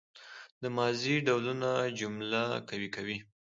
د ماضي ډولونه جمله قوي کوي.